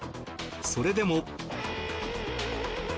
それでも。